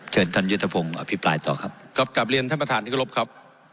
เชิญท่านพี่ปลายต่อครับครับกราบมาเรียนท่านประธานนึกอรบครับ